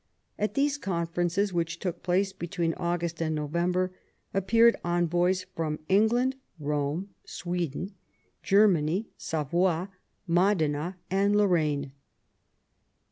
At these conferences, which took place between August and November, appeared envoys from England, Rome, Sweden, Germany, Savoy, Modena, and Lorraine.